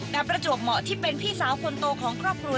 ประจวบเหมาะที่เป็นพี่สาวคนโตของครอบครัว